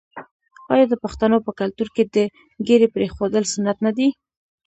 آیا د پښتنو په کلتور کې د ږیرې پریښودل سنت نه دي؟